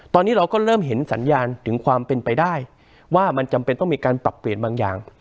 ตอนนี้เราก็เริ่มเห็นสัญญาณถึงความเป็นไปได้ว่ามันจำเป็นต้องมีการปรับเปลี่ยนบางอย่าง